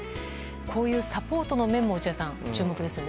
こういうサポートの面も落合さん、注目ですよね。